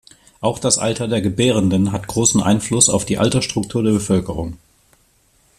Auch das Alter der Gebärenden hat großen Einfluss auf die Altersstruktur der Bevölkerung.